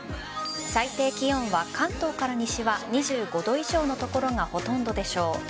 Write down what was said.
最低気温は関東から西は２５度以上の所がほとんどでしょう。